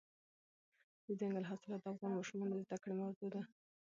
دځنګل حاصلات د افغان ماشومانو د زده کړې موضوع ده.